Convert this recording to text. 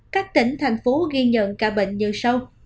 các tỉnh thành phố ghi nhận ca bệnh như sâu